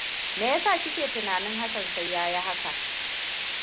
Meyasa kike tunanin Hassan sai yayi haka?